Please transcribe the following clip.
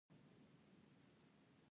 ادې ورځي هليكاپټر ته ورخېژي.